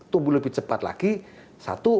tumbuh lebih cepat lagi satu